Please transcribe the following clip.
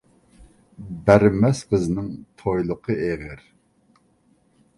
بەرمەس قىزنىڭ تويلۇقى ئېغىر.